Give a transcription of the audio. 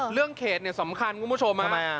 เรื่องเขตเนี้ยสำคัญคุณผู้ชมอ่า